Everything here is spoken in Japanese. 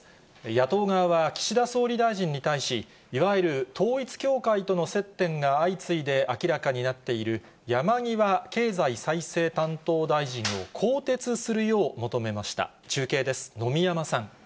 野党側は岸田総理大臣に対し、いわゆる統一教会との接点が相次いで明らかになっている山際経済再生担当大臣を更迭するよう求めました。